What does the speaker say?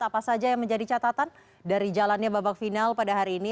apa saja yang menjadi catatan dari jalannya babak final pada hari ini